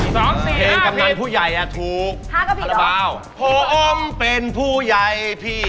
สองสี่ห้าผิดเพลงกำนันผู้ใหญ่อ่ะถูก